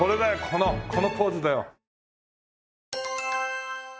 このポーズだよ。